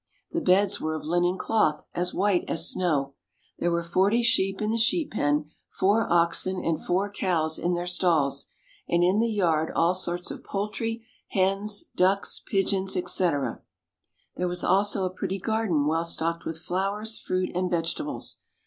The beds were of linen cloth, as white as snow. There were forty sheep in the sheep pen; four oxen, and four cows, in their stalls; and in the yard all sorts of poultry, hens, ducks, pigeons, etc. There was also a pretty garden, well stocked with flowers, fruit and vegetables.